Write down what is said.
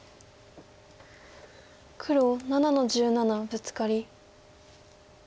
黒７の十七ブツカリ。